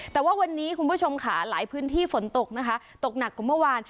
แต่ว่าวันนี้คุณผู้ชมค่ะหลายพื้นที่ฝนตกนะคะตกหนักกว่าเมื่อวาน